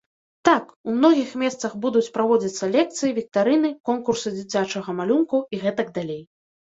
Так, у многіх месцах будуць праводзіцца лекцыі, віктарыны, конкурсы дзіцячага малюнку і гэтак далей.